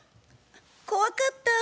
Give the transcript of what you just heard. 怖かった。